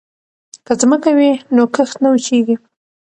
که ځمکه وي نو کښت نه وچيږي.